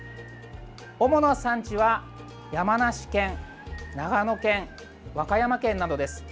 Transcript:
主な産地は、山梨県長野県、和歌山県などです。